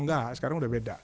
enggak sekarang udah beda